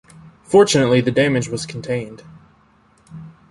Fortunately the damage was contained.